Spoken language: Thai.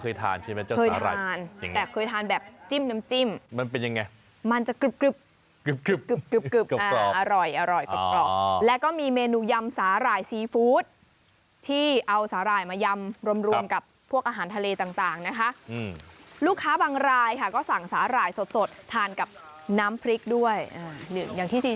อย่างที่ชิคกี้พายบอกมาสักครู่นี้